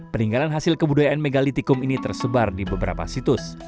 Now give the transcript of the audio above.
peninggalan hasil kebudayaan megalitikum ini tersebar di beberapa situs